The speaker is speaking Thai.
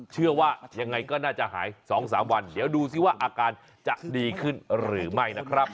เชื่อว่ายังไงก็น่าจะหาย๒๓วันเดี๋ยวดูสิว่าอาการจะดีขึ้นหรือไม่นะครับ